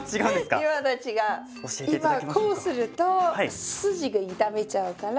こうすると筋が痛めちゃうから。